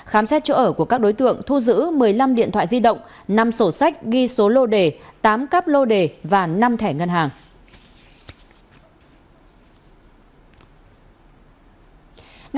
khám xét chỗ ở của các đối tượng thu giữ một mươi năm điện thoại di động năm sổ sách ghi số lô đề tám cáp lô đề và năm thẻ ngân hàng